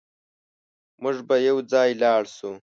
موږ به يوځای لاړ شو